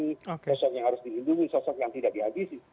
sosok yang harus dilindungi sosok yang tidak dihabisi